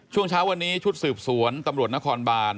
ช่วงเช้าวันนี้ชุดสืบสวนตำรวจนครบาน